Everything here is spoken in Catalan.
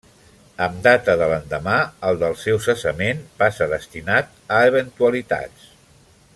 Amb data de l'endemà al del seu cessament passa destinat a Eventualitats.